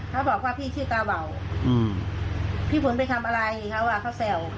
เขาบอกว่าพี่ชื่อตาเบาพี่ฝนไปทำอะไรเขาอ่ะเขาแซว